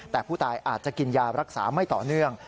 แต่ผู้ตายอาจจะกินยารักษาไม่ต่อเนื่อง